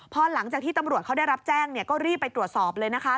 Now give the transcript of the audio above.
พอหลังจากที่ตำรวจเขาได้รับแจ้งก็รีบไปตรวจสอบเลยนะคะ